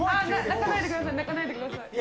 泣かないでください。